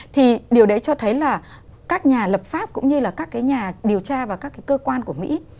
thì điều đấy cho thấy là các nhà lập pháp cũng như là các cái nhà điều tra và các cái cơ quan của mỹ